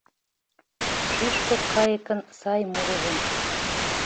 Шӱшпык кайыкын сай мурыжым